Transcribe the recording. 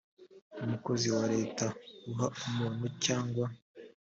umukozi wa leta uha umuntu cyangwa